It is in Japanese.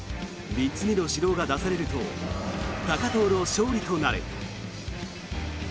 ３つ目の指導が出されると高藤の勝利となる。